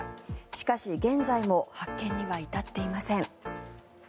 しかし、現在も発見には至っていません。